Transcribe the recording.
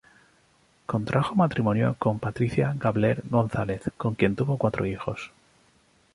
Contrajo matrimonio con Patricia Gabler González, con quien tuvo cuatro hijos.